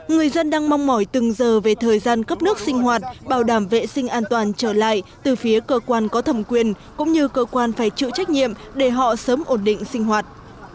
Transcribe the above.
người dân đang mong mỏi từng giờ về thời gian cấp nước sinh hoạt bảo đảm vệ sinh an toàn trở lại từ phía cơ quan có thẩm quyền cũng như cơ quan phải chịu trách nhiệm để họ sớm ổn định sinh hoạt